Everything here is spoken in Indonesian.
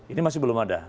ini masih belum ada